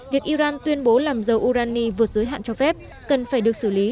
việc iran tuyên bố làm dầu urani vượt giới hạn cho phép cần phải được xử lý